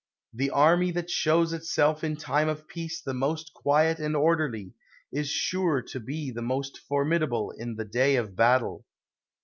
The army that shows itself in time of peace 5ie most quiet and orderly, is sure to be the most formidable in the day of battle.